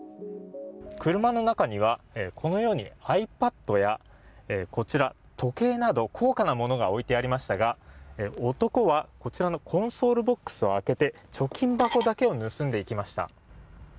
車の中にはこのようにｉＰａｄや時計など高価なものが置いていありましたが男はこちらのコンソールボックスを開けて貯金箱だけを盗んでいきました。